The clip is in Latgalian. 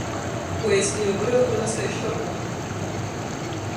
Kuojis kliva bryungonys kai starkam.